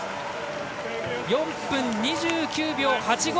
４分２９秒８５。